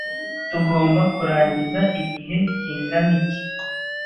Tugomba kurangiza igihe kingana iki?